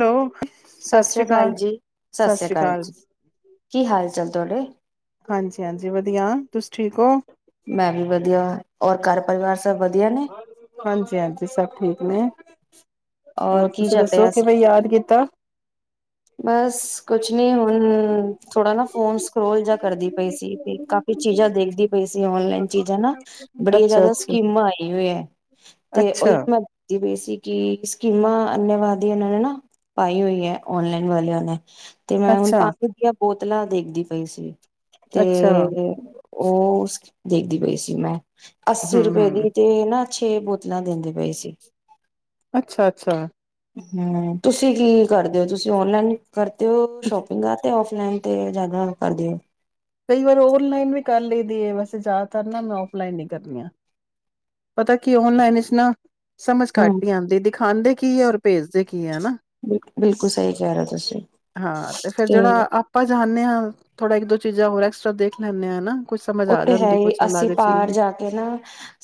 Hello, ਸਤਿ ਸ੍ਰੀ ਅਕਾਲ, ਸਤਿ ਸ੍ਰੀ ਅਕਾਲ। ਕੀ ਹਾਲ ਚਾਲ ਤੁਹਾਡੇ ਹਾਂਜੀ, ਹਾਂਜੀ ਵਧੀਆ ਤੁਸੀ ਠੀਕ ਹੋ। ਮੈਂ ਵੀ ਵਧੀਆ ਔਰ ਘਰ ਪਰਿਵਾਰ ਸਬ ਸਭ ਵਧੀਆ ਨੇ। ਹਾਂਜ ਹਾਂਜੀ, ਸਭ ਠੀਕ ਨੇ। ਔਰ ਹੋਰ ਕੀ ਤੁਸੀਂ ਚੱਲ ਦੱਸੋ ਰਿਹਾ ਸੀ? ਕਿਵੇਂ ਯਾਦ ਕੀਤਾ? ਬਸ ਕੁਛ ਨੀ ਹੁਣ ਥੋੜਾ ਨਾ ਫੋਨ ਸਕਰੋਲ ਜਾ ਕਰਦੀ ਪਈ ਸੀ ਤੇ ਕਾਫੀ ਚੀਜ਼ਾਂ ਦੇਖਦੀ ਪਈ ਸੀ। ਚੀਜ਼ਾਂ ਨਾ ਬੜੀਆਂ ਜਿਆਦਾ ਅੱਛਾ-ਅੱਛਾ, ਸਕੀਮਾਂ ਆਈ ਹੋਈ ਹੈ ਤੇ ਉਹ। ਅੱਛਾ, [unintelligible] [unintelligible] ਸਕੀਮਾਂ ਅੰਨੇਵਾਦੀ ਇਹਨਾਂ ਨੇ ਨਾ ਪਾਈ ਹੋਈ ਹੈ ਔਨਲਾਈਨ ਵਾਲਿਆਂ ਨੇ। ਤੇ ਮੈਂ ਹੁਣ ਅੱਛਾ। [unintelligible] ਦੀਆਂ ਬਹੁਤ ਤਲਾ ਦੇਖਦੀ ਪਈ ਸੀ। ਤੇ ਅੱਛਾ, ਉਹ ਉਸ ਦੇਖਦੀ ਪਈ ਸੀ ਮੈਂ। ਅੱਸੀ ਰੁਪਏ ਹੂੰ-ਹੂੰ, ਦੀ ਤੇ ਨਾ ਛੇ ਬੋਤਲਾਂ ਦੇਂਦੇ ਪਏ ਸੀ। ਅੱਛਾ, ਅੱਛਾ। ਹੂੰ, ਤੁਸੀਂ ਕੀ ਕਰਦੇ ਹੋ ਤੁਸੀਂ ਓਨਲਾਈਨ ਕਰਦੇ ਹੋ ਸ਼ੋਪਿੰਗਾ ਯਾ ਆਫਲਾਈਨ ਤੇ ਜ਼ਿਆਦਾ ਕਰਦੇ ਓ? ਕਈ ਵਾਰ ਔਨਲਾਈਨ ਵੀ ਕਰ ਲਈ ਦੀ ਐ ਬਸ, ਜ਼ਿਆਦਾਤਰ ਨਾ ਮੈਂ ਔਫਲਾਈਨ ਹੀ ਕਰਨੀ ਆ ਪਤਾ ਕੀ ਔਨਲਾਈਨ ਵਿੱਚ ਨਾ, ਸਮਝ ਘੱਟ ਹਮ ਹੀ ਆਦੀ ਐ ਦਿਖਾਦੇ ਕੀ ਹੈ ਔਰ ਭੇਜਦੇ ਕੀ ਹੈ, ਹਨਾ ਬਿਲਕੁਲ ਸਹੀ ਕਹਿ ਰਹੇ ਹੋ ਤੁਸੀਂ ਹਾਂ, ਤੇ ਫੇਰ ਜਿਹੜਾ ਆਪਾਂ ਜਾਂਨੇ ਹਾਂ ਥੋੜਾ ਇੱਕ ਦੋ ਚੀਜ਼ਾਂ ਹੋਰ ਐਕਸਟਰਾ ਦੇਖ ਲੈਂਨੇ ਹਾਂ ਨਾ, ਕੁੱਝ ਸਮਝ ਆ ਉੱਥੇ ਹੈ ਜਾਂਦੀ, ਹੀ ਕੁੱਛ ਅਸੀਂ ਅਲੱਗ ਚੀਜ਼ ਪਾਰ ਜਾ ਕੇ ਨਾ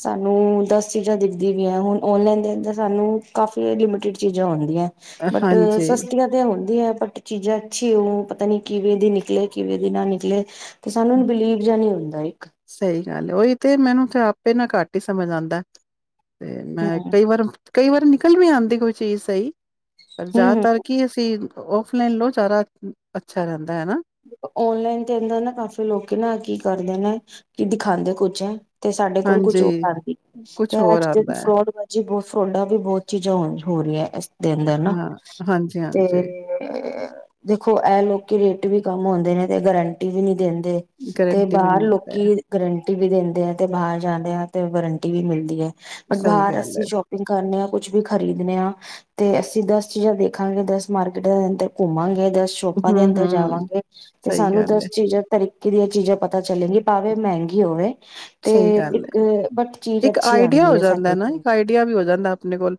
ਸਾਨੂੰ ਦਸ ਚੀਜ਼ਾਂ ਦਿਖਦੀ ਵੀ ਹੈ, ਹੁਣ ਔਨਲਾਈਨ ਦੇ ਅੰਦਰ ਸਾਨੂੰ ਕਾਫੀ ਲਿਮਿਟਿਡ ਚੀਜ਼ਾਂ ਆਦੀ ਅ, ਬਟ ਹਾਂਜੀ, ਸਸਤੀਆਂ ਤੇ ਹੁੰਦੀਆਂ ਬਟ ਚੀਜ਼ਾਂ ਅੱਛੀ ਪਤਾ ਨੀ ਕਿਵੇਂ ਦੀ ਨਿਕਲੇ ਕਿਵੇਂ ਦੀ ਨਾ ਨਿਕਲੇ, ਤੇ ਸਾਨੂੰ ਬਿਲੀਵ ਜਾ ਨੀ ਹੁੰਦਾ। ਇੱਕ ਸਹੀ ਗੱਲ ਉਹੀ ਤੇ ਮੈਨੂੰ ਤੇ ਆਪੇ ਨਾ ਘੱਟ ਹੀ ਸਮਝ ਆਦਾ। ਤੇ ਮੈਂ ਕਈ ਵਾਰ ਕਈ ਵਾਰ ਨ ਅਕਲ ਵੀ ਆਦੀ ਕੋਈ ਚੀਜ਼ ਸਹੀ, ਪਰ ਹੂੰ ਹੂੰ ਜ਼ਿਆਦਾਤਰ ਕੀ ਅਸੀਂ, ਔਫਲਾਈਨ ਲੋ ਸਾਰਾ ਅੱਛਾ ਰਹਿੰਦਾ ਹੈ ਨਾ, ਔਨਲਾਈਨ ਤੇ ਐਦਾ ਨਾ ਕਾਫੀ ਲੋਕ ਨਾ ਕੀ ਕਰਦੇ ਨੇ ਕੀ ਦਿਖਾਉਂਦੇ ਕੁਛ ਐ। ਤੇ ਸਾਡੇ ਕੋਲ ਕੁਛ ਹਾਂਜੀ, ਉਹ ਆਦੀ ਤੇ ਕੁਛ ਹੋਰ ਇਹ ਆਂਦਾ ਐ। ਫਰੋਡਜ਼ ਬ ਫਰੋਡਾਂ ਵੀ ਬਹੁਤ ਚੀਜ਼ਾਂ ਹੋ ਰਹੀਆਂ ਇਸਦੇ ਅੰਦਰ ਨਾ ਹਾਂ, ਤੇ ਹਾਂਜੀ-ਹਾਂਜੀ, ਦੇਖੋ ਐ ਲੋਕੀ ਵੀ, ਵੀ ਕੰਮ ਆਦੇ ਨੇ ਤੇ ਗਰੰਟੀ ਵੀ ਨੀ ਦਿੰ ਤੇ ਗਰੰਟੀ ਵੀ ਬਾਹਰ ਨੀ ਦਿੰਦਾ ਲੋਕੀ ਐ, ਗਰੰਟੀ ਗਰੰਟੀ ਦਿੰਦੇ ਆ ਤੇ ਬਾਹਰ ਜਾਂਦੇ ਆ ਤੇ ਵਾਰੰਟੀ ਵੀ ਮਿਲਦੀ ਹੈ ਬਟ ਸਹੀ ਬਾਹਰ ਗੱਲ ਅਸੀਂ ਐ। ਸ਼ੋਪਿੰਗ ਕਰਨੇ ਆ। ਕੁਛ ਵੀ ਖਰੀਦਣੇ ਆ ਤੇ ਅਸੀਂ ਦਸ ਚੀਜ਼ਾਂ ਦੇਖਾਂਗੇ, ਦਸ ਮਾਰਕੀਟਾਂ ਦੇ ਅੰਦਰ ਘੁੰਮਾਂਗੇ। ਸ਼ੋਪਾਂ ਦੇ ਅੰਦਰ, ਹੂੰ-ਹੂੰ, ਜਾਵਾਂਗੇ, ਤੇ ਸਹੀ ਸਾਨੂੰ ਗੱਲ ਐ, ਦਸ ਚੀਜ਼ਾਂ ਤਰੀ ਕਿਦੀ ਇਹ ਚੀਜ਼ਾਂ ਪਤਾ ਚੱਲੇਗੀ ਭਾਵੇਂ ਮਹਿੰਗੀ ਹੋਵੇ। ਤੇ ਸਹੀ ਗੱਲ ਐ, ਇੱਕ ਬਟ ਚੀਜ਼ ਇੱਕ ਅੱਛੀ ਆਈਡੀਆ ਆਦੀ ਹੋ ਹੈ, ਜਾਂਦਾ ਸਾਡੇ ਨਾ ਕੋ ਇੱਕ ਆਈਡੀਆ ਵੀ ਹੋ ਜਾਂਦਾ ਆਪਣੇ ਕੋਲ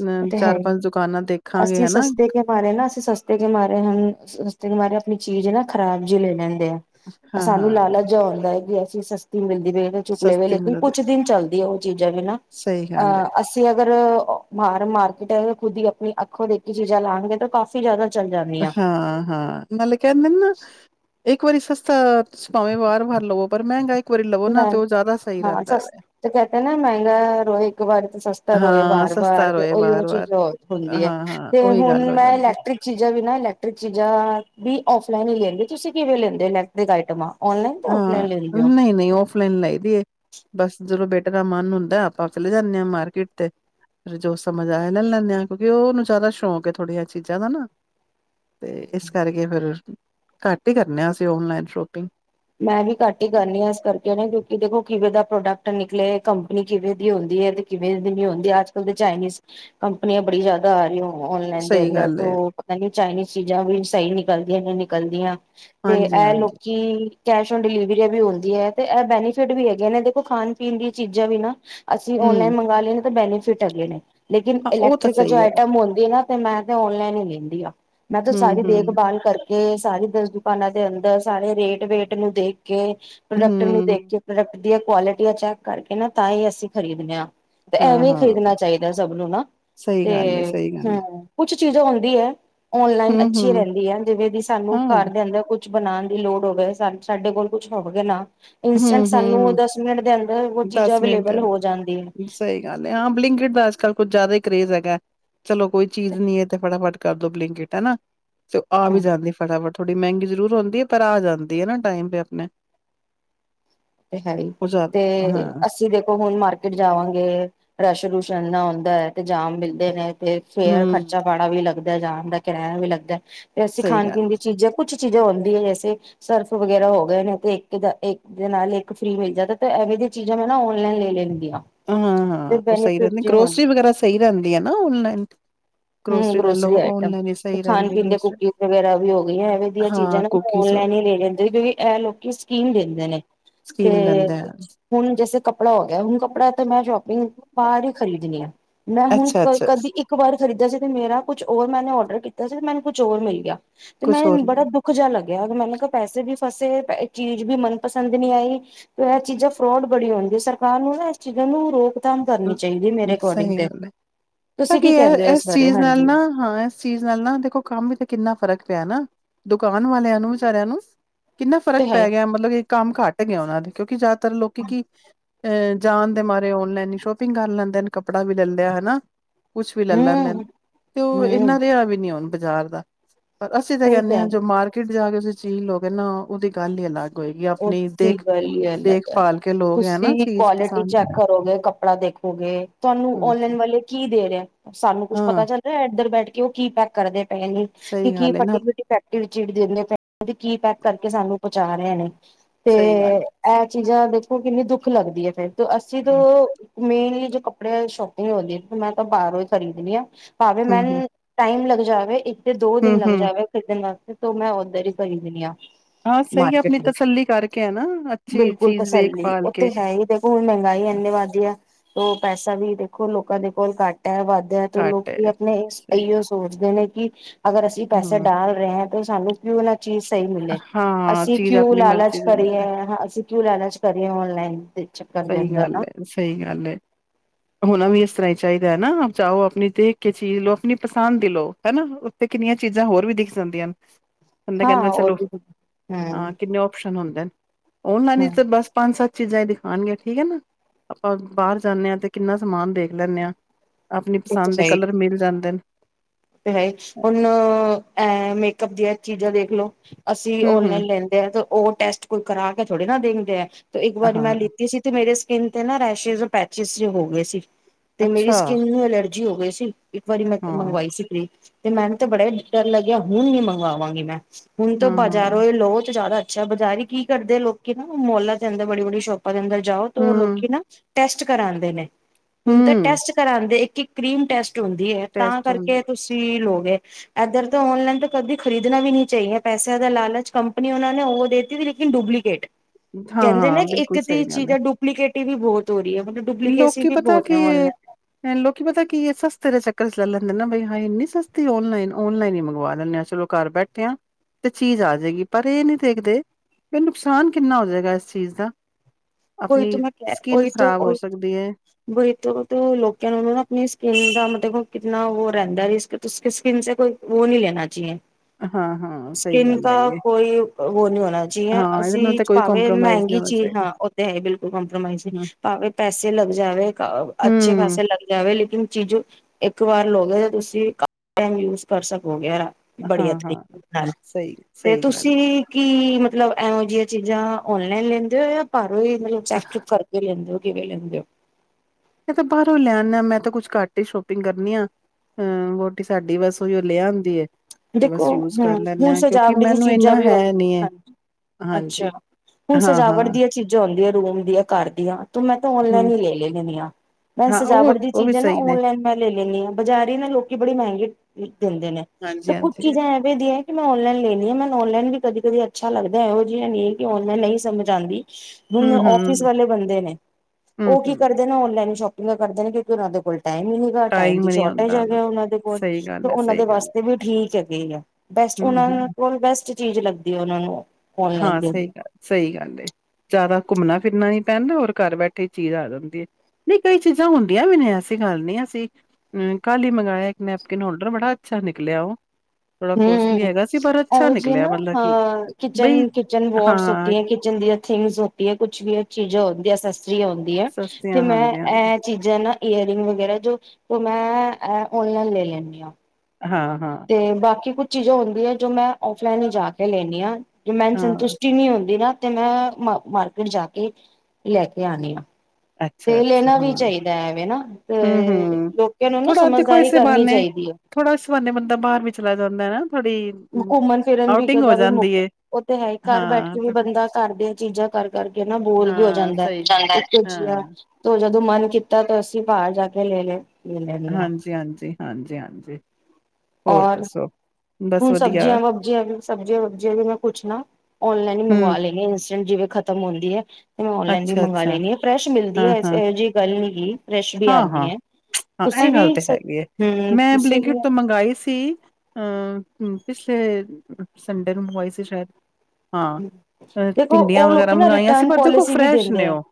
ਅ ਤੇ ਹੈ ਚਾਰ-ਪੰਜ ਦੁਕਾਨਾਂ ਦੇਖਾਂਗੇ ਅਸੀਂ ਹਨਾ, ਸਸਤੇ ਕੇ ਮਾਰੇ ਨਾ ਅਸੀਂ ਸਸਤੇ ਕੇ ਮਾਰੇ ਹਨ। ਮਾਰੇ ਆਪਣੀ ਚੀਜ਼ ਨਾ ਖਰਾਬ ਜੀ ਲੈ ਲਣੀ। ਹਾਂ-ਹਾਂ, ਸਾਨੂੰ ਲਾਲਚ ਜਾ ਆਦਾ ਹੈ ਕਿ, ਸਸਤੀ ਮਿਲਦੀ। ਚੁੱਕ ਲਵੇ ਸਸਤੀ ਲੇਕਿਨ ਮਿਲਦੀ ਕੁਛ ਦਿਨ ਚੱਲਦੀ ਹੈ, ਉਹ ਚੀਜ਼ਾਂ ਵੀ ਨਾ ਸਹੀ ਗੱਲ ਏ, ਅਹ ਅਸੀਂ ਅਗਰ ਮਾਰ-ਮਾਰ, ਖੁਦ ਹੀ ਆਪ ਅੱਖੋ ਦੇਖ ਕੇ ਚੀਜ਼ਾਂ ਲਾਣਗੇ ਤਾਂ ਕਾਫ਼ੀ ਜ਼ਿਆਦਾ ਚੱਲ ਜਾਂਦੀਆਂ। ਹੂੰ-ਹੂੰ, ਮਨਲੋ ਕਹਿੰਦੇ ਨੇ, ਇੱਕ ਵਾਰੀ ਸਸਤਾ ਤੁਸੀ ਭਾਵੇਂ ਵਾਰ ਭਰਲੋ, ਪਰ ਮਹਿੰਗਾ ਇਕ ਮੈਂ ਹਾਂ ਸਤੇ ਕਹਿਤੇ ਨਾ ਮਹਿੰਗਾ ਰੋਏ ਇੱਕ ਵਾਰ ਤੇ ਸਸਤਾ ਰੋਏ ਹਾਂ ਬਾਰ ਬਾਰ ਸਸਤਾ ਤੇ ਰੋਏ ਉਹੀ ਉਹ ਵਾਰ-ਵਾਰ ਚੀਜ਼ ਹੁੰਦੀ ਹੈ ਹਾਂ-ਹਾਂ ਤੇ ਉਹੀ ਹੁਣ ਗੱਲ ਹੋ ਮੈਂ ਜਾਂਦੀ। ਇਲੈਕਟ੍ਰਿਕ ਚੀਜ਼ ਚੀਜ਼ਾਂ ਵੀ ਨਾਂ ਇਲੈਕਟ੍ਰਿਕ ਚੀਜ਼ਾਂ ਵੀ ਔਫਲਾਈਨ ਹੀ ਲੈਂਦੇ ਤੁਸੀਂ ਕਿਵੇਂ ਲੈਂਦੇ ਹੋ ਇਲੈਕਟ੍ਰਿਕ ਆਈਟਮਾਂ? ਔਨਲਾਈਨ ਤੇ ਔਫਲਾਈਨ ਲੇ ਰਹੀ ਹੋ। ਨਹੀਂ ਔਫ ਲਈਨ ਲਈ ਦੀ ਹੈ, ਬੱਸ ਜਦੋ ਬੇ ਜਦੋ ਮਨ ਹੁੰਦਾ ਆਪਾਂ ਚਲੇ ਜਾਂਦੇ ਹਾਂ ਮਾਰਕੀਟ, ਤੇ ਫਿਰ ਜੋ ਸਮਝ ਆਇਆ, ਲੈ ਲੈਂਦੇ ਹਾਂ ਕਿਉਂਕਿ ਉਹਨੂੰ ਜ਼ਿਆਦਾ ਸ਼ੌਕ ਹੈ ਥੋੜ੍ਹੀਆਂ ਜ ਚੀਜ਼ਾਂ ਦਾ ਨਾ, ਤੇ ਇਸ ਕਰਕੇ ਫਿਰ ਘੱਟ ਹੀ ਕਰਨੇ ਹਾਂ ਅਸੀਂ ਆਨਲਾਈਨ ਸ਼ੋਪਿੰਗ। ਮੈਂ ਵੀ ਘੱਟ ਹੀ ਕਰਨੀ ਆ ਇਸ ਕਰਕੇ ਨਾ ਕਿਉਂਕਿ ਦੇਖੋ ਕਿਵੇਂ ਦਾ ਪ੍ਰੋਡਕਟ ਨਿਕਲੇ, ਕੰਪਨੀ ਕਿਵੇਂ ਦੀ ਹੁੰਦੀ ਹੈ, ਤੇ ਕਿਵੇਂ ਦੀ ਨੀ ਹੁੰਦੀ ਹੈ, ਅੱਜ-ਕਲ ਤੇ ਚਾਈਨੀਜ਼ ਕੰਪਨੀਆਂ ਬੜੀ ਜ਼ਿਆਦਾ ਆ ਰਹੀਆਂ। ਔਨਲਾਈਨ ਦੇ ਸਹੀ ਅੰਦਰ ਗੱਲ ਏ ਤੋਂ ਪਤਾ ਨੀ ਚਾਈਨੀਜ਼ ਚੀਜ਼ਾਂ ਵੀ ਸਹੀ ਨਿਕਲਦੀਆਂ ਨੀ ਨਿਕਲਦੀਆਂ। ਤੇ ਇਹ ਹਾਂਜੀ-ਹਾਂਜੀ ਲੋਕੀ ਕੈਸ਼ ਆਨ ਡਿਲੀਵਰੀ ਵੀ ਹੁੰਦੀ ਹੈ, ਤੇ ਇਹ ਬੈਨੀਫਿਟ ਵੀ ਹੈਗੇ ਨੇ ਦੇਖੋ ਖਾਣ-ਪੀਣ ਦੀ ਚੀਜ਼ਾਂ ਵੀ ਨਾ ਅਸੀਂ ਔਨਲਾਈਨ ਹੂੰ ਮੰਗ ਲਏ ਨੇ ਤੇ ਪਹਿਲੇ ਚਿਟ ਹੈਗੇ ਨੇ ਲੇਕਿਨ ਹਾਂ ਉਹ ਤਾਂ ਇਲੈਕਟ੍ਰਿਕ ਜੋ ਸਹੀ ਏ। ਆਈਟਮ ਹੁੰਦੀ ਨਾ ਤੇ ਮੈਂ ਤੇ ਔਨਲਾਈਨ ਹੀ ਲੈਂਦੀ ਆਾਂ। ਮੈਂ ਤਾਂ ਹੂੰ, ਸਾਰੀ ਹੂੰ, ਦੇਖਭਾਲ ਕਰਕੇ ਕੇ ਸਾਰੀ ਦ ਦੁਕਾਨਾਂ ਦੇ ਅੰਦਰ ਸਾਰੇ ਰੇਟ-ਵੇਟ। ਏਰਨੂੰ ਦੇਖ ਕੇ ਪ੍ਰੋਡਕਟ ਨੂੰ ਦੇਖ ਹੂੰ, ਕੇ ਪ੍ਰੋਡਕਟ ਇਹਦਿਆ ਕੁਆਲਿਟੀਆਂ ਚੈੱਕ ਕਰਕੇ ਨਾ ਤਾਂ ਹੀ ਅਸੀਂ ਖਰੀਦਦੇ ਆ। ਤੇ ਐਵੇਂ ਹਾਂ-ਹਾਂ, ਖ਼ਰੀਦਣਾ ਚਾਹੀਦਾ ਹੈ ਸਭਨੂੰ ਨਾ ਸਹੀ ਗੱਲ ਏ, ਤੇ ਸਹੀ ਗੱਲ ਏ। ਹੂੰ ਕੁਛ ਚੀਜ਼ਾਂ ਹੁੰਦੀ ਹੈ। ਓਨਲਾਈਨ ਹੂੰ, ਅੱਛੀ ਹੂੰ, ਰਹਿੰਦੀ ਹੈ ਜਿਵੇਂ ਦੀ ਸਾਨੂੰ ਘਾਰ ਹਾਂ, ਦੇ ਅੰਦਰ ਕੁਛ ਕੁਛ ਬਣਾਉਣ ਦੀ ਲੋੜ ਹੋਵੇ ਸਾਨੂੰ ਸਾਡੇ ਕੋਲ ਕੁਛ ਹੋਵੇਗੇ ਨਾ ਹੂੰ ਸਾਨੂੰ -ਹੂੰ ਦਸ ਮਿੰਟ ਦੇ ਅੰਦਰ ਉਹ ਦਸ ਚੀਜ਼ਾਂ ਮਿੰਟ, ਅਵੇਲੇਬਲ ਹੋ ਜਾਂਦੀ ਸਹੀ ਗੱਲ ਹੈ ਹਾਂ ਬਲਿੰਕਿਟ ਦਾ ਅੱਜ- ਕੱਲ ਕੁੱਝ ਜ਼ਿਆਦਾ ਕ੍ਰੇਜ਼ ਹੈਗਾ। ਚਲੋ, ਕੋਈ ਚੀਜ਼ ਨੀ ਹੈ ਤੇ ਫਟਾਫਟ ਕਰ ਦੋ ਬਲਿੰਕੇਟ ਹੈਨਾ। ਤੇ ਆ ਵੀ ਹੈ। ਜਾਂਦੀ ਫਟਾਫਟ। ਥੋੜ੍ਹੀ ਮਹਿੰਗੀ ਜ਼ਰੂਰ ਹੁੰਦੀ ਹੈ ਪਰ ਆ ਜਾਂਦੀ ਹੈ ਨਾ ਟਾਈਮ ਤੇ ਆਪਣੇ। ਤੇ ਹੈਹੀ, ਉਹ ਜ਼ਿਆਦਾ ਤੇ ਹਾਂ, ਅਸੀਂ ਦੇਖੋ ਹੁਣ ਮਾਰਕੀਟ ਜਾਵਾਂਗੇ ਰਸ਼- ਰੁਸ਼ ਚਲਨਾ ਹੁੰਂਦਾ ਹੈ ਤੇ ਜਾਮ ਮਿਲਦੇ ਨੇ। ਤੇ ਫੇਰ ਹੂੰ, ਖਰਚਾ ਭਾਣਾ ਵੀ ਲੱਗਦਾ ਜਾਨ ਦਾ ਕਿਰਾਇਆ ਵੀ ਲੱਗਦਾ ਤੇ ਅਸੀਂ ਸਹੀ ਖਾਣ ਗੱਲ ਪੀਣ ਦੀ ਏ, ਚੀਜ਼ਾਂ ਕੁਛ ਚੀਜ਼ਾਂ ਹੁੰਦੀਆਂ ਜੈਸੇ ਸਰਫ ਵਗੈਰਾ ਹੋ ਗਏ ਨੇ ਤੇ ਇੱਕ ਦਾ ਦੇ ਨਾਲ ਫਰੀ ਮਿਲ ਜਾਂਦਾ ਇਹਵੇ ਦੀਆਂ ਚੀਜ਼ਾਂ ਮੈਂ ਨਾ ਔਨਲਾਈਨ ਲੈ ਲੈ ਤੇ ਹਾਂ-ਹਾਂ, ਉਹ ਸਹੀ ਰਹਿੰਦੀ ਗਰੋਸਰੀ ਵਗੈਰਾ ਸਹੀ ਰਹਿੰਦੀ ਏ ਨਾ ਔਨਲਾਈਨ, [unintelligible] ਹਮ ਲੈ ਲੋ ਗਰੋਸਰੀ ਆਈਟਮ ਔਨਲਾਈਨ ਹੀ ਸਹੀ ਖਾਣ ਰਹਿੰਦੀ ਪੀਣ ਦੀ ਗਰੋਸਰੀ, ਕੁਕੀ ਵਗੈਰਾ ਵੀ ਹੋ ਗਈਆ ਐਵੀਂ ਦੀਆਂ ਚੀਜ਼ਾਂ ਹਾਂ, ਨਾ ਕੁਕੀਜ਼ ਹੋ ਔਨਲਾਈਨ ਗਈ, ਹੀ ਲੇ ਲੈਂਦੇ ਨੇ ਕਿਉਂਕਿ ਇਹ ਲੋਕੀ ਸਕੀਮ ਦੇ ਦਿੰਦੇ ਨੇ [unintelligible] ਲੈਂਦਾ ਆ ਅੱਜ ਜੈਸ ਕੱਪੜਾ ਹੋ ਗਿਆ ਹੁਨ ਕੱਪੜਾ ਹੈ ਤਾਂ ਮੈਂ ਜ ਬਾਹਰ ਹੀ ਖਰੀਦਣੀ ਆ ਮੈਂ ਹੁਣ ਅੱਛਾ-ਅੱਛਾ, ਕਦੀ ਇੱਕ ਵਾਰ ਖਰੀਦਿਆ ਸੀ ਮੇਰਾ ਕੁਛ ਹੋਰ ਮੈਨੇ ਔਡਰ ਕੀਤਾ ਸੀ ਤੇ ਮੈਨੂੰ ਕੁਛ ਹੋਰ ਮਿਲ ਗਿਆ ਤੇ ਮੈਂ ਕੁਛ ਹੋਰ ਬੜਾ ਦੁੱਖ ਜਿਹਾ ਲੱਗਾ ਗਿਆ ਮੈਂਨੂੰ ਕਿਹਾ ਪੈਸੇ ਵੀ ਫਸੇ ਚੀਜ਼ ਵੀ ਮਨਪਸੰਦ ਨਹੀਂ ਆਈ ਤੇ ਇਹ ਚੀਜ਼ਾਂ ਫਰੋਡ ਬੜੀ ਹੁੰਦੀ ਸਰਕਾਰ ਨੂੰ ਨਾ ਇਸ ਚੀਜ਼ਾਂ ਨੂੰ ਰੋਕਥਾਮ ਕਰਨੀ ਚਾਹੀਦੀ ਮੇਰੇ ਅਕੋਰਡਿੰਗ ਸਹੀ ਤੇ। ਗੱਲ ਹੈ ਪਤਾ ਤੁਸੀਂ ਕੀ ਕਹਿੰਦੇ ਹੋ ਇਸ ਬਾਰੇ ਚੀਜ਼ ਨਾਲ ਹਾਂਜੀ। ਨਾ ਹਾਂ ਇਸ ਚੀਜ਼ ਨਾਲ ਨਾ ਦੇਖੋ ਕੰਮ ਵਿੱਚ ਤਾਂ ਕਿੰਨਾ ਫ਼ਰਕ ਪਿਆ ਨਾ ਦੁਕਾਨ ਵਾਲਿਆਂ ਨੂੰ ਵਿਚਾਰਿਆਂ ਨੂੰ ਕਿੰਨਾ ਫਰਕ ਤੇ ਹੈ। ਪੈ ਗਿਆ ਮਤਲਬ ਕੰਮ ਘੱਟ ਗਿਆ ਉਹਨਾਂ ਦੇ ਕਿਉਂਕਿ ਜਾ ਤਰ ਲੋਕੀ ਕੀ ਅ ਜਾਨ ਦੇ ਮਾਰੇ ਆਨਲਾਈਨ ਸ਼ੋਪਿੰਗ ਕਰ ਲੈਂਦੇ ਹਨ ਕੱਪੜਾ ਵੀ ਲੈਂਦੇ ਆ ਹਨਾ। ਕੁਛ ਵੀ ਲੈ ਲੈਂਦੇ ਨੇ ਹੂੰ, ਤੇ ਉਹ ਇਨਾਂ ਹੂੰ ਰਿਹਾ ਵੀ ਨਹੀ ਹੁਣ। ਬਾਜ਼ਾਰ ਦਾ ਅਸੀਂ ਤੇ ਸਹੀ ਕਹਿੰਦੇ ਕਹਿ ਹਾਂ ਰਹੇ ਜੋ ਹੋ ਮਾਰਕੀਟ ਜਾ ਕੇੇ ਤੁਸੀ ਚੀਜ਼ ਲੋ ਗੇ ਨਾ ਉਹਦੀ ਗੱਲ ਹੀ ਅਲੱਗ ਹੋਏਗੀ ਆਪਣੀ ਓਦੀ ਦੇਖ ਗੱਲ ਹੀ ਅਲਗ ਹੈ ਦੇਖਭਾਲ ਕੇ ਲੋਗ ਹੈ ਨਾ ਤੁਸੀਂ ਚੀਜ਼ ਕੁਆਲਿਟੀ ਪਸੰਦ ਚੈੱਕ ਕਰੋਗੇ ਕਪੜਾ ਕੱਪੜਾ ਦੇਖੋਗੇ ਤੁਹਾਨੂੰ ਹੂੰ। ਔਨਲਾਈਨ ਵਾਲੇ ਕੀ ਦੇ ਰਿਹਾ ਸਾਨੂੰ ਕੁੱਛ ਪਤਾ ਹਾਂ, ਚੱਲ ਰਿਹਾ ਇੱਧਰ ਬੈਠ ਕੇ ਕੀ ਉਹ ਕੀ ਪੈਕ ਕਰਦੇ ਪਏ ਨੇ ਕਿ ਸਹੀ ਕੀ ਗੱਲ ਹੈ ਨਾ ਵੱਡੀ ਵੱਡੀ ਫੈਕਟਰੀ ਵਿੱਚ ਜਿਹੜੀ ਦਿੰਦੇ ਪਏ ਨੇ ਉਹ ਕੀ ਪੈਕ ਕਰਕੇ ਸਾਨੂੰ ਪਹੁੰਚਾ ਰਹੇ ਨੇ। ਤੇ ਸਹੀ ਗੱਲ ਹੈ। ਇਹ ਚੀਜ਼ਾਂ ਦੇ ਉਹ ਕਿੰਨੀ ਦੁੱਖ ਲੱਗਦੀ ਹੈ ਫੇਰ। ਅਸੀਂ ਤੋਂ ਮੇਨਲੀ ਜੋ ਕੱਪੜਿਆਂ ਦੀ ਸ਼ੋਪਿੰਗ ਹੁੰਦੀ ਆ ਤੇ ਮੈਂ ਤਾਂ ਬਾਹਰੋਂ ਹੀ ਖਰੀਦਦੀ ਆ। ਭਾਵੇ ਹੂੰ, ਹੂੰ, ਮੈਨ ਟਾਈਮ ਲੱਗ ਜਾਵੇ ਇੱਕ ਦੋ ਦਿਨ ਹੂੰ, ਲੱਗ ਹੂੰ ਜਾਵੇ ਖਰੀਦਣ ਵਾਸ ਤੇ ਮੈਂ ਉੱਧਰ ਹੀ ਖਰੀਦਣੀ ਆ। ਹਾਂ ਸਹੀ ਹੈ ਆਪਣੀ ਮਾਰਕੀਟ ਤਸਲ ਬਿਲਕੁਲ ਤਸੱਲੀ ਭਾਲ ਓਹ ਕੇ ਤੇ ਹੈ ਹੀ ਦੇਖੋ ਹੁਣ ਮਹਿੰਗਾਈ ਐੰਨੀ ਵੱਦੀ ਆ ਓ ਪੈਸਾ ਵੀ ਦੇਖੋ ਲੋਕਾਂ ਦੇ ਕੋਲ ਘੱਟ ਘੱਟ ਹੈ ਵੱਧ ਹੈ ਤੇ ਘੱਟ ਲੋਕੀ ਹੈ। ਆਪਣੇ ਸਹੀ ਇਹੀਓ ਸੋਚਦੇ ਨੇ ਕਿ ਅਗਰ ਅਸੀਂ ਪੈਸੇ ਹੂੰ, ਡਾਲ ਰਹੇ ਹੈ ਤੇ ਸਾਨੂੰ ਕਿਉ ਨਾ ਚੀਜ਼ ਸਹੀ ਮਿਲੇ ਹਾਂ ਅਸੀਂ ਚੀਜ਼ ਕਿਉ ਆਪਣੀ ਲਾਲਚ ਮਰਜ਼ੀ ਦੀ ਕਰੀਏ ਮਿਲੇ ਅਸੀਂ ਕਿਉਂ ਲਾਲਚ ਕਰਿਓ ਆਨਲਾਈਨ ਤੇ ਸਹੀ ਗੱਲ ਹੈ ਸਹੀ ਗੱਲ ਹੈ ਹੋਣਾ ਵੀ ਇਸ ਤਰ੍ਹਾਂ ਹੀ ਚਾਹੀਦਾ ਹੈ ਚਾਹੋ ਆਪਣੀ ਦੇਖ ਕੇ ਚੀਜ਼ ਲਓ ਆਪਣੀ ਪਸੰਦ ਲਓ ਹਨਾ ਉੱਥੇ ਕਿੰਨੀਆਂ ਚੀਜ਼ਾਂ ਹੋਰ ਵੀ ਦਿਖ ਜਾਂਦੀਆਂ ਹਨ ਬਣਦਾ ਕਹਿੰਦਾ ਹਾਂ ਹੋਰ ਚਲੋ ਵੀ ਹਾਂ ਹਮ ਕਿੰਨੇ ਓਪਸ਼ਨ ਹੁੰਦੇ ਨੇ ਔਨਲਾਇਣ ਵਿੱਚ ਹਮ ਤਾਂ ਬਸ ਪੰਜ ਸਤ [unintelligible] ਆਣਗੇ ਠੀਕ ਹੈ ਨਾ ਆਪਾਂ ਬਾਹਰ ਜਾਂਦੇ ਹਾਂ ਤੇ ਕਿੰਨਾ ਸਮਾਨ ਦੇਖ ਲੈਂਦੇ ਹਾਂ ਆਪਣੀ ਇਹ ਤਾਂ ਪਸੰਦ ਦੇ ਸਹੀ ਕਲਰ ਮਿਲ ਜਾਂਦੇ ਨੇ ਤੇ ਹੈ ਹੀ ਤੇ ਹੁਣ ਅ ਮੇਕਅਪ ਦੀ ਚੀਜ਼ਾਂ ਦੇਖਲੋ ਅਸੀਂ ਹੂੰ, ਔਨਲਾਈਨ ਹੂੰ, ਲੈਂਦੇ ਆ ਤੇ ਉਹ ਟੈਸਟ ਕੋਈ ਕਰਾ ਕੇ ਥੋੜੇ ਨਾ ਦੇਖਦੇ ਇੱਕ ਵਾਰੀ ਮੈਂ ਹਾਂ, ਲਿੱਤੀ ਸੀ ਤੇ ਮੇਰੇ ਤੇ ਨਾ ਰੈਸ਼ਿਸ ਪੈਚਿਸ ਹੋ ਗਏ ਸੀ ਤੇ ਮੇਰੀ ਅੱਛਾ, ਸਕਿੰਨ ਨੂੰ ਐਲਰਜੀ ਹੋ ਗਏ ਸੀ ਇੱਕ ਵਾਰੀ ਮੈਂ ਹਾਂ, ਹਾਂ। ਮੰਗਵਾਈ ਸੀ ਤੇ ਮੈਨੂੰ ਤੇ ਬੜਾ ਡਰ ਲੱਗਿਆ ਹੁਣ ਨੀ ਮੰਗਵਾਵਾਂਗੀ ਮੈਂ ਹੁਣ ਤਾਂ ਹਾਂ। ਬਾਜ਼ਾਰੋ ਹੀ ਲਵੋ ਤੇ ਜ਼ਿਆਦਾ ਅੱਛਾ ਬਾਜ਼ਾਰੀ ਕੀ ਕਰਦੇ ਲੋਕੀ ਨਾ ਮੋਲਾਂ ਤੇ ਆਂਦੇ ਬੜੀ ਬੜੀ ਸ਼ੋਪ ਆਪਾ ਅੰਦਰ ਜਾਓ, ਤਾਂ ਉਹ ਹੂੰ, ਲੋਕੀ ਨਾ ਟੈਸਟ ਕਰਾਦੇ ਨੇ, ਹੁਣ ਤਾਂ ਹੂੰ, ਟੈਸਟ ਕਰਾਂਦੇ ਇੱ ਕਿ ਕਰੀਮ ਟੈਸਟ ਹੁੰਦੀ ਹੈ ਤਾਂ ਟੈਸਟ ਕਰ ਹੁੰਦੀ ਲੋਕ ਗਏ, ਏਧਰ ਤਾਂ ਔਨਲਾਈਨ ਤਾਂ ਕਦੇ ਖਰੀਦਣਾ ਵੀ ਨੀ ਚਾਹੀਦਾ ਪੈਸਿਆਂ ਦਾ ਲਾਲਚ ਕੰਪਨੀ ਉਹਨਾਂ ਨੇ ਉਹ ਦੇ ਦਿੱਤੀ ਸੀ ਲੇਕਿਨ ਡੁਪਲੀਕੇਟ ਕਹਿੰਦੇ ਹਾਂ-ਹਾਂ, ਨਾ ਕਿ ਬਿਲਕੁਲ ਇੱਕ ਦੀ ਸਹੀ ਗੱਲ ਚੀਜ਼ ਐ। ਹੈ ਡੁਪਲੀਕੇਟ ਟੀ ਵੀ ਬਹੁਤ ਹੋ ਰਹੀ ਹੈ ਮਤਲਬ ਡੁਪਲੀਕੇਸੀ ਲੋਕੀ ਵੀ ਪਤਾ ਬਹੁਤ ਕੀ ਨੇ ਔਨਲਾਈਨ। ਲੋਕੀ ਪਤਾ, ਕੀ ਇਹ ਸਸਤੇ ਦੇ ਚੱਕਰ ਚ ਲੱਲ ਬ ਹੈ ਇੰਨੀ ਸਸਤੀ ਔਨਲਾਈਨ ਔਨਲਾਈਨ ਹੀ ਮੰਗਵਾ ਲੈਂਦੇ ਆ ਚਲੋ ਘਰ ਬੈਠੇ ਆ ਤੇ ਚੀਜ਼ ਆ ਜਾਏਗੀ, ਪਰ ਇਹ ਨੀ ਦੇਖਦੇ ਵੀ ਨੁਕਸਾਨ ਕਿੰਨਾ ਹੋ ਜਾਏਗਾ, ਇਸ ਚੀਜ਼ ਦਾ ਉਹੀ ਤੋ ਆਪਣੀ ਮੈਂ ਸਕਿੰਨ ਖ਼ਰਾਬ ਹੋ [unintelligible] ਸਕਦੀ ਐ। ਬਤ ਲੋਕਾਂ ਨੂੰ ਉਹ ਆਪਣੀ ਸਕਿੰਨ ਦਾ, ਦੇਖੋ ਕਿਤਨਾ ਵੋ ਰਹਿੰਦਾ ਉਸ ਸਕਿਨ ਕੋਈ ਵੋ ਨਹੀਂ ਰਹਿਣਾ ਚਾਹੀਏ। ਹਾਂ-ਹਾਂ, ਸਹੀ ਸਕਿੰਨ ਗੱਲ ਕਾ ਹੈਗੀ ਏ। ਕੋਈ ਉਹ ਨੀ ਹੋਣਾ ਚਾਹੀਏ, ਹਾਂ, ਏਦੇ ਨਾਲ ਅਸੀਂ ਤਾਂ ਕੋਈ ਪਾਵੇ ਕੰਪ੍ਰੋਮਾਈਜ਼ ਨੀ ਮਹਿੰਗੀ ਹੋਣਾ ਚੀਜ਼ ਚਾਈਦਾ। ਹਾਂ, ਨਹੀਂ ਬਿਲਕੁਲ ਕੰਪਰੋਮਾਈਜ ਨਹੀਂ, ਭਾਵੇਂ ਪੈਸੇ ਲੱਗ ਜਾਵੇ, ਅੱਛੇ ਹੂੰ, ਖਾਸੇ ਲੱਗ ਜਾਵੇ ਲੇਕਿਨ ਚੀਜ਼ੋ ਇੱਕ ਵਾਰ ਲੋਗੇ ਤੁਸੀਂ ਟੂ ਯੂਜ ਕਰ ਸਕੋਗੇ ਬੜੀਆ ਹਾਂ-ਹਾਂ, ਤਰੀਕੇ ਨਾਲ, ਸਹੀ ਤੇ ਸਹੀ ਗੱਲ। ਤੁਸੀਂ ਕੀ ਮਤਲਬ ਇਹੋ ਜਿਹੀਆਂ ਚੀਜ਼ਾਂ ਔਨਲਾਈਨ ਲੈਂਦੇ ਹੋ ਜਾ ਉਹ ਚੈਕ ਚੁਕ ਕਰਕੇ ਲੈਂਦੇ ਹੋ ਕਿਵੇ ਲੈਦੇ ਔ, ਇਹ ਤਾਂ ਬਾਹਰੋਂ ਲਿਆਨੇ ਮੈਂ ਤਾਂ ਕੁਛ ਘੱਟ ਹੀ ਸ਼ੋਪਿੰਗ ਕਰਨੀ ਆ ਹੂੰ, ਵੋਟੀ ਸਾਡੀ ਬਸ ਉਹੀ ਲੇ ਆਦੀ ਹੈ। ਦੇਖੋ ਹੂੰ, ਹੁਣ ਸਜਾਵਟ ਦੀ ਮੈਨੂੰ ਇੰਨਾ ਚੀਜ਼ਾਂ ਵੀ ਹੈ ਆਦੀ ਨੀ ਐ ਹਾਂਜੀ ਅੱਛਾ ਹਾਂਜੀ, ਹੁਣ ਸਜਾਵਟ ਹਾਂ-ਹਾਂ, ਦੀਆਂ ਚੀਜ਼ਾਂ ਆਦੀਆਂ ਰੂਮ ਦੀਆਂ ਘਰ ਦੀਆਂ ਮੈਂ ਤਾਂ ਔਨਲਾਈਨ ਹੂੰ, ਹੀ ਲੈ ਲੈਨੀ ਹਾਂ, ਮੈਂ ਹਾਂ ਉਹ ਸਜਾਵਟ ਦੀ ਉਹ ਵੀ ਚੀਜ਼ ਹੈ ਨਾ ਸਹੀ ਨੇ ਔਨਲਾਈਨ ਮੈਂ ਲੈ ਲੈਂਦੀ ਹਾਂ ਬਜ਼ਾਰੀ ਨਾ ਲੋਕੀ ਬੜੀ ਮਹਿੰਗੀ ਹੂੰ, ਦਿੰਦੇ ਨੇ ਤੇ ਕੁਚੀ ਹਾਂਜੀ-ਹਾਂਜੀ, ਜਾਏ ਇਵੇ ਦੀ ਹੈ। ਮੈਂ ਔਨਲਾਈ ਲੈਂਨੀ ਹਾਂ, ਮੈਂ ਔਲਾਈਨ ਵੀ ਕਦੀ ਕਦੇ ਅੱਛਾ ਲੱਗਦਾ ਇਹੋ ਜਿਹੀ ਨੀ ਹੈ, ਕਿ ਔਨਲਾਈਨ ਨਹੀਂ ਸਮਝ ਆਦੀ ਹੁਣ ਔਫਿਸ ਹੂੰ-ਹੂੰ, ਵਾਲੇ ਬੰਦੇ ਨੇ, ਉਹ ਕੀ ਹੂੰ-ਹੂੰ, ਕਰਦੇ ਨਾ ਔਨਲਾਈਨ ਸ਼ੋਪਿੰ ਕਰਦੇ ਨੇ [unintelligible] ਟਾਈਮ ਨੀ ਹੈਗਾ ਟਾਈਮ ਦੀ ਨੀ ਸ਼ੋਰਟੇਜ ਹੁੰਦਾ ਹੈਗਾ, ਉਹਨਾਂ ਦੇ ਕੋਲ, ਸਹੀ ਤੇ ਗੱਲ ਐ, ਉਹਨਾਂ ਦੇ ਸਹੀ ਗੱਲ, ਵਾਸਤੇ ਵੀ [unintelligible] ਬੈਸਟ ਉਹਨਾਂ ਹੂੰ-ਹੂੰ। ਨ ਕੋਲ ਬੈਸਟ ਚੀਜ਼ ਲੱਗਦੀ ਹੈ ਉਹਨਾਂ ਨੂੰ ਔਨਲਾਈਨ ਹਾਂ ਦੇ ਸਹੀ ਗੱਲ ਸਹੀ ਗੱਲ ਏ ਜ਼ਿਆਦਾ ਘੁੰਮਣਾ ਫਿਰਨਾ ਨੀ ਪੈਂਦਾ ਐਰ ਘਰ ਬੈਠੇ ਚੀਜ਼ ਆ ਜਾਂਦੀ ਹੈ ਨਹੀਂ ਕਈ ਚੀਜ਼ਾਂ ਹੁੰਦੀਆਂ ਵੀ ਨੇ ਐਸੀ ਗੱਲ ਨਹੀਂ ਅਸੀਂ ਅ ਕੱਲ ਹੀ ਮੰਗਵਾਇਆ ਇੱਕ ਨੈਪਕਿਨ ਹੋਲਡਰ ਬੜਾ ਅੱਛਾ ਨਿਕਲਿਆ ਉਹ ਥੋੜਾ ਕੋਸਟਲੀ ਹਮ ਹੈਗਾ ਸੀ ਪਰ ਅੱਛਾ ਉਹ ਜੇ ਨਿਕਲਿਆ ਨਾ ਮਤਲਬ ਕਿ ਹਾਂ ਕਿ ਬਈ ਟੈਨ ਕਿਚਨ ਵਾਰਡਸ ਹਾਂ ਹੋਤੀ ਹੈ ਕਿਚਨ ਦੀਆਂ ਥਿੰਗਸ ਹੁੰਦੀ ਹੈ ਕੁਛ ਵੀ ਚੀਜ਼ਾਂ ਹੁੰਦੀਆਂ [inaudible] ਜੀ ਆਉਂਦੀ ਹੈ ਤੇ ਸਸਤੀਆਂ ਮੈਂ ਹਾਂਜੀ ਹਾਂਜੀ ਇਹ ਚੀਜ਼ਾਂ ਨਾ ਈਅਰਰਿੰਗ ਵਗੈਰਾ ਜੋ ਓ ਮੈਂ ਓਨਲਾਈਨ ਲੈ ਲੈਂਦੀ ਆ ਹਾਂ ਹਾਂ ਤੇ ਬਾਕੀ ਕੁਛ ਚੀਜ਼ਾਂ ਹੁੰਦੀ ਹੈ ਜੋ ਮੈਂ ਐਫਲਾਈਨ ਹੀ ਜਾ ਕੇ ਲੈਂਦੀ ਹਾਂ ਜੋ ਮੈਨੂੰ ਹਾਂ ਸੰਤੁਸ਼ਟੀ ਨਹੀਂ ਹੁੰਦੀ ਨਾ ਤੇ ਮੈਂ ਮਾਰਕਿੱਟ ਜਾ ਕੇ ਲੈ ਕੇ ਆਉਣੀ ਆਂ ਅੱਛਾ ਤੇ ਅੱਛਾ ਲੈਣਾ ਵੀ ਹਾਂ ਚਾਹੀਦਾ ਐਂਵੇ ਨਾ ਤੇ ਹੂੰ ਹੂੰ ਲੋਕਾਂ ਨੂੰ ਨਾ ਥੋੜਾ ਦੇਖੋ ਸਮਝਦਾਰੀ ਇਸੇ ਕਰਨੀ ਬਹਾਨੇ ਚਾਹੀਦੀ ਹੈ ਥੋੜਾ ਇਸ ਬਹਾਨੇ ਬੰਦਾ [unintelligible] ਘੁੰਮਣ ਫਿਰਨ ਵੀ ਆਊਟਿੰਗ ਹੋ ਕਦਾ ਵੀ ਜਾਂਦੀ ਮੁੱਕ ਏ ਉਹ ਤੇ ਹੈ ਘਰ ਬੈਠ ਹਾਂ ਕੇ ਵੀ ਬੰਦਾ ਕਰਦੇ ਚੀਜ਼ਾਂ ਕਰਕੇ ਕਰਕੇ ਨਾ ਬੋਰ ਵੀ ਹੋ ਹਾਂ ਜਾਂਦਾ ਸਹੀ ਇੱਕੇ ਜਆ ਹਾਂ ਤ ਜਦੋਂ ਮਨ ਕੀਤਾ ਤੇ ਅਸੀਂ ਬਾਹਰ ਜਾ ਕੇ [unintelligible] ਹਾਂ ਹਾਂਜੀ ਹਾਂਜੀ ਹਾਂਜੀ ਹਾਂਜੀ ਹੋਰ ਔਰ ਦੱਸੋ ਬਸ ਹੁਣ ਵਧੀਆ ਸਬਜ਼ੀਆਂ ਵਬਜ਼ੀਆਂ ਵੀ ਸਬਜ਼ੀਆਂ ਵਬਜੀਆਂ ਵੀ ਮੈਂ ਕੁਛ ਨਾ ਔਨਲਾਈਨ ਹੀ ਮੰਗਵਾ ਹੂੰ, ਲੈਂਣੀ ਜਿਵੇ ਖਤਮ ਹੁੰਦੀ ਹੈ ਔਨਲਾਈਨ ਵੀ ਮੰਗਵਾ ਅੱਛਾ-ਅੱਛਾ, ਲੈਨੀ ਆ ਫਰੈਸ਼ ਮਿਲਦੀ ਹੈ ਹਾਂ-ਹਾਂ, ਹਾਂ-ਹਾਂ, ਐਹੋ ਜਹੀ ਗੱਲ ਨਹੀ ਹੈ ਫਰੈਸ਼ ਹੀ ਹਾਂ ਆਉਂਦੀ ਹਾਂ, ਹੈ ਹਾਂ, ਹਾਂ, ਤੁਸੀ ਇਹ ਵੀ ਗੱਲ ਤੇ ਹੈਗੀ ਏ। ਹਮ ਤੁਸੀ ਵੀ ਅਹ ਪਿਛਲੇ ਸੰਡੇ ਨੂੰ ਮੰਗਵਾਈ ਸੀ ਸ਼ਾਇਦ ਹਾਂ। ਅ ਦੇਖੋ ਭਿੰਡੀਆਂ ਉਹ ਵਗੈਰਾ ਲੋਕੀ ਨਾ ਮੰਗਾਈਆਂ ਸੀ ਰਿਟਰਨ ਪਰ ਪੋਲ ਦੇਖੋ ਵੀ ਫਰੈਸ਼ ਦਿੰਦੇ ਨੇ ਹੈ, ਉਹ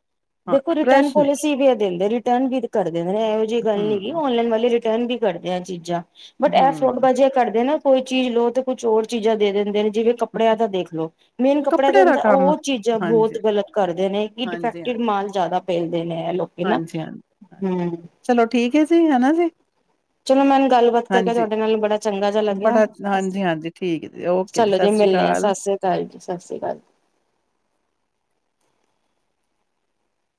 ਹਾਂ ਦੇਖੋ ਰਿਟਰਨ ਫਰੈਸ਼ ਨੇ ਪੋਲਿਸੀ ਵੀ ਏਹ ਦਿੰਦੇ ਨੇ ਰਿਟਰਨ ਭੀ ਕਰਦੇ ਨੇ ਐਹੋ ਜੀ ਗੱਲ ਨਹੀਂ ਹੈਗੀ ਹੂੰ। ਔਨਲਾੲਨ ਵਾਲੇ [unintelligible] ਵੀ ਕਰਦੇ ਆ ਚੀਜ਼ਾਂ ਬਟ ਇਹ ਫਰੋਡ ਹੂੰ, ਬਾਜ਼ੀਆਂ ਕਰਦੇ ਨਾ ਕੋਈ ਚੀਜ਼ ਲੋ ਤੇ ਕੁਛ ਹੋਰ ਚੀਜ਼ਾਂ ਦੇ ਦਿੰਦੇ ਨੇ ਜਿਵੇਂ ਕੱਪੜਿਆਂ ਦਾ ਦੇਖਲੋ। ਮੇਨ ਕੱਪੜਾ ਦੇ ਕੱਪੜੇ ਦਾ ਅੰਦਰ ਕੰਮ ਉਹ ਚੀਜ਼ਾਂ ਬਹੁਤ ਹਾਂਜੀ, ਗਲਤ ਕਰਦੇ ਨੇ ਕਿ ਹਾਂਜੀ, ਹਾਂ ਡਿਫੈਕਟਿਡ ਮਾਲ ਜਾਂਦਾ ਪੇ [unintelligible] ਹਾਂਜੀ ਹਾਂਜੀ, ਚਲੋ ਠੀਕ ਹੈ ਜੀ ਹਨਾ ਜੀ ਚਲੋ ਮੈਨ ਗੱਲਬਾਤ ਕਰਕੇ ਹਾਂਜੀ ਤੁਹਾਡੇ ਨਾਲ ਬੜਾ ਚੰਗਾ ਜਿਹਾ ਲੱਗਿਆ, ਬੜਾ ਹਾਂਜੀ, ਹਾਂਜੀ ਠੀਕ ਹੈ ਜੀ ਓਕੇ ਚਲੋ ਸਤਿ ਜੀ ਸ਼੍ਰੀ ਮਿਲਣੇ ਆ ਅਕਾਲ। ਸਤ ਸ੍ਰੀ ਅਕਾਲ ਜੀ ਸਤਿ ਸ੍ਰੀ ਅਕਾਲ ਜੀ।